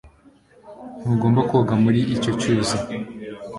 Ntugomba koga muri icyo cyuzi